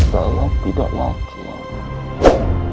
saya tidak laki laki